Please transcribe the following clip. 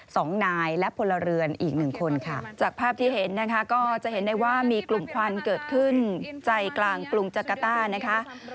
สองนายและพลเรือนอีกหนึ่งคนค่ะจากภาพที่เห็นนะคะก็จะเห็นได้ว่ามีกลุ่มควันเกิดขึ้นใจกลางกรุงจักรต้านะคะ